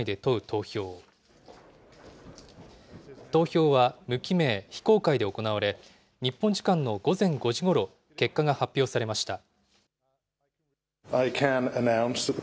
投票は無記名、非公開で行われ、日本時間の午前５時ごろ、結果が発表されました。